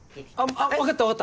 分かった分かった。